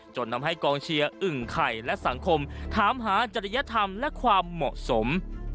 จนทำให้กองเชียร์อึ่งไข่และสังคมถามหาจริยธรรมและความเหมาะสม